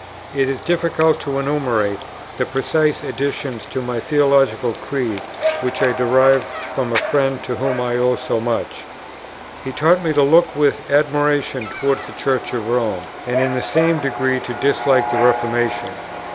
It is difficult to enumerate the precise additions to my theological creed which I derived from a friend to whom I owe so much. He taught me to look with admiration towards the Church of Rome, and in the same degree to dislike the Reformation.